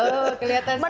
tuh kelihatan sahur